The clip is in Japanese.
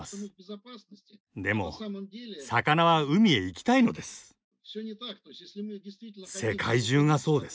でも魚は海へ行きたいのです。